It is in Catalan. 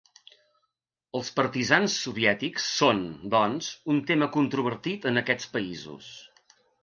Els partisans soviètics són, doncs, un tema controvertit en aquests països.